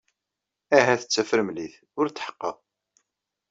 Ahat d tafremlit. Ur tḥeqqeɣ.